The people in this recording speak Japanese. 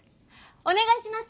お願いします！